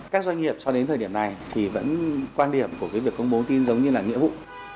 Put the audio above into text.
các doanh nghiệp cho đến thời điểm này thì vẫn quan điểm của cái việc công bố tin giống như là nghĩa vụ